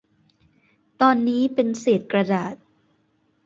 ตอนนี้เป็นเศษกระดาษ